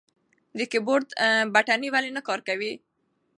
د کیبورډ بټنې ولې نه کار کوي؟